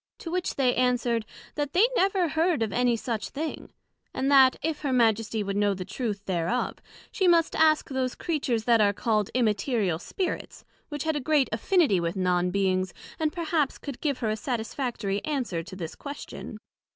To which they answered, That they never heard of any such thing; and that, if her Majesty would know the truth thereof, she must ask those Creatures that are called Immaterial spirits, which had a great affinity with Non beings, and perhaps could give her a satisfactory answer to this question.